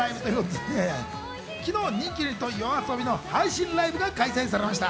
昨日、人気ユニットＹＯＡＳＯＢＩの配信ライブが開催されました。